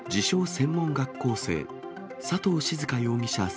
専門学校生、佐藤志津香容疑者